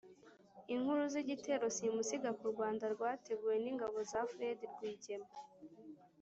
inkuru z'igitero simusiga ku rwanda rwateguwe n'ingabo za fred rwigema